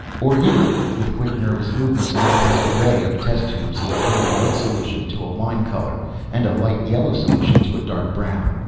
"Or here!" With quick, nervous movements among his array of test tubes, he turned a white solution to a wine color, and a light yellow solution to a dark brown.